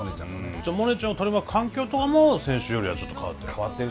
じゃあモネちゃんを取り巻く環境とかも先週よりはちょっと変わってる。